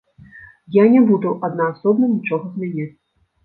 Я не буду аднаасобна нічога змяняць.